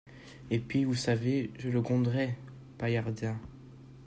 Et puis, vous savez, je le gronderai, Paillardin.